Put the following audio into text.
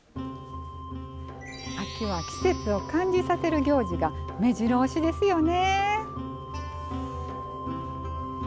秋は季節を感じさせる行事がめじろ押しですよね。